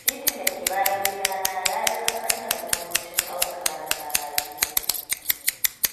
Titin da ke bayan gidana ya yi kunkuntar motocin daukar marasa lafiya.